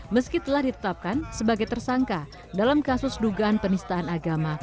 meski telah ditetapkan sebagai tersangka dalam kasus dugaan penistaan agama